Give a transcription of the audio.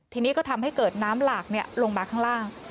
ทีนี้ก็ทำให้เกิดน้ำหลากลงมาข้างล่าง